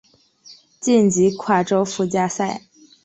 晋级跨洲附加赛。